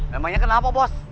memangnya kenapa bos